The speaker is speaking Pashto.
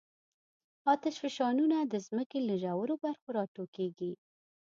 آتشفشانونه د ځمکې له ژورو برخو راټوکېږي.